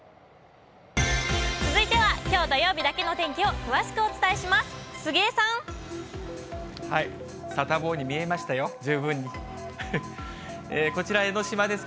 続いてはきょう土曜日だけの天気を詳しくお伝えします。